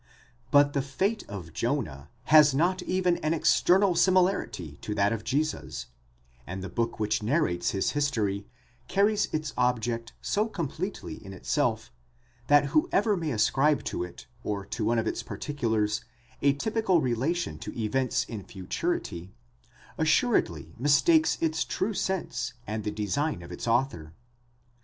But the fate of Jonah has not even an external similarity to that of Jesus; and the book which narrates his history carries its object so completely in itself, that who ever may ascribe to it or to one of its particulars, a typical relation to events in futurity, assuredly mistakes its true sense and the design of its author.